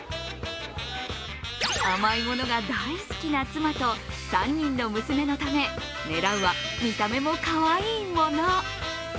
甘いものは大好きな妻と３人の娘のため狙うは、見た目もかわいいもの。